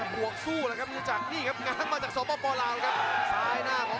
ประเภทมัยยังอย่างปักส่วนขวา